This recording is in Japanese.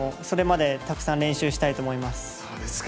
それまでたくさん練習したいと思います。